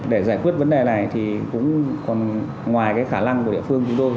để giải quyết vấn đề này thì cũng còn ngoài cái khả năng của địa phương chúng tôi